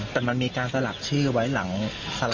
แต่มันมีการสลักชื่อไว้หลังสลาก